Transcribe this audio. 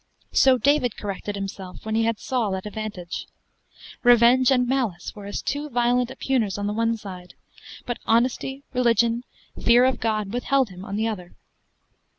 So David corrected himself, when he had Saul at a vantage. Revenge and malice were as two violent oppugners on the one side; but honesty, religion, fear of God, withheld him on the other.